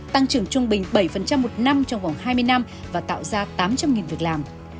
tăng trưởng trung bình bảy một năm trong vòng hai mươi năm và tạo ra tám trăm linh việc làm